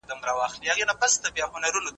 هغه څوک چي وخت تنظيموي منظم وي،